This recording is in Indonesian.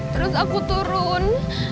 terus aku turun